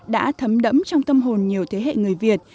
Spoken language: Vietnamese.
đã thấm đẫm trong tâm hồn nhiều thế hệ người việt